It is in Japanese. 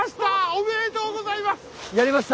おめでとうございます！